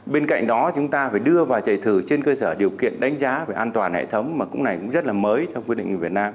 bên cạnh đó chúng ta phải đưa và chạy thử trên cơ sở điều kiện đánh giá về an toàn hệ thống mà cũng này cũng rất là mới trong quy định của việt nam